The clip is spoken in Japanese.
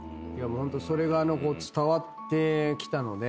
ホントそれが伝わってきたので。